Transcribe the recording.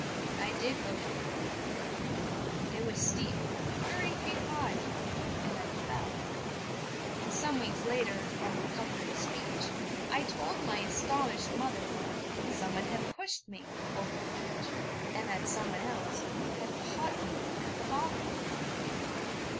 I did go toward the cliff: it was steep, thirty feet high, and I fell. Some weeks later, on recovering speech, I told my astonished mother that 'someone had pushed me' over the edge, and that someone else 'had caught me' at the bottom!